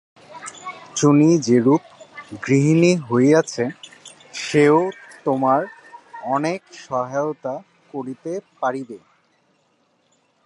চুনি যেরূপ গৃহিণী হইয়াছে সেও তোমার অনেক সহায়তা করিতে পারিবে।